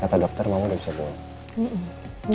kata dokter mama sudah bisa pulang